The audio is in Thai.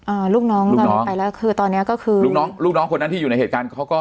ลูกน้องตอนนี้ไปแล้วคือตอนเนี้ยก็คือลูกน้องลูกน้องคนนั้นที่อยู่ในเหตุการณ์เขาก็